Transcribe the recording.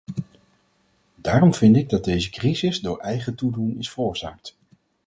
Daarom vind ik dat deze crisis door eigen toedoen is veroorzaakt.